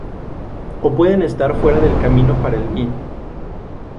O pueden estar fuera del camino para el bien.